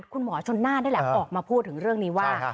คุณหมอชนน่านนี่แหละออกมาพูดถึงเรื่องนี้ว่า